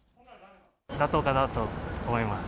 妥当かなと思います。